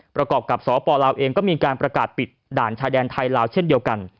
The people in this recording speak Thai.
ประกอบกับสปลาวเองก็มีการประกาศปิดด่านชายแดนไทยลาวเช่นเดียวกัน